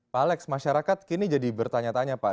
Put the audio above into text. pak alex masyarakat kini jadi bertanya tanya pak